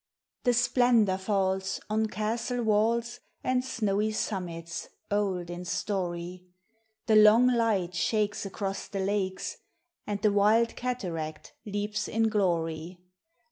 The splendor falls on castle walls And snowy summits old in story : The long light shakes across the lakes, And the wild cataract leaps in glory.